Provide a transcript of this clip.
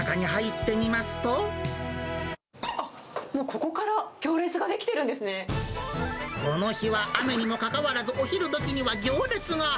あっ、もうここから行列が出この日は雨にもかかわらず、お昼どきには行列が。